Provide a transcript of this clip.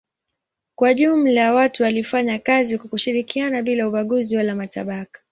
Kwa jumla watu walifanya kazi kwa kushirikiana bila ubaguzi wala matabaka.